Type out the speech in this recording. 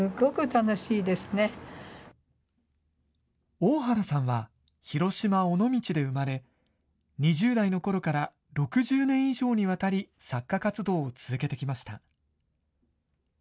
大原さんは、広島・尾道で生まれ、２０代のころから６０年以上にわたり作家活動を続けてきました。